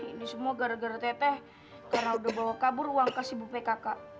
ini semua gara gara teteh karena udah bawa kabur uang kasih bu pkk